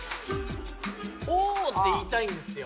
「おお」って言いたいんですよ